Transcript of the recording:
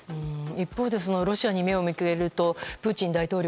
一方で、ロシアに目を向けるとプーチン大統領